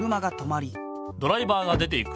ドライバーが出ていく。